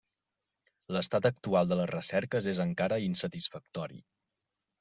L'estat actual de les recerques és encara insatisfactori.